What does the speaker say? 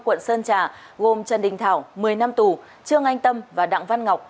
quận sơn trà gồm trần đình thảo một mươi năm tù trương anh tâm và đặng văn ngọc